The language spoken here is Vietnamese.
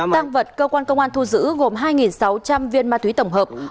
tăng vật cơ quan công an thu giữ gồm hai sáu trăm linh viên ma túy tổng hợp